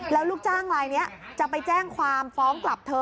แล้วลูกจ้างลายนี้จะไปแจ้งความฟ้องกลับเธอ